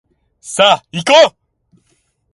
さあいこう